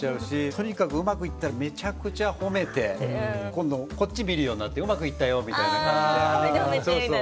とにかくうまくいったらめちゃくちゃ褒めて今度こっち見るようになってうまくいったよみたいな感じで。